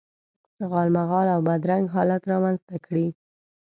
غالمغال او بد رنګ حالت رامنځته کړي.